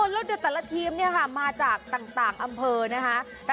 แล้วแต่ละทีมมาจากต่างอำเภอนะคะ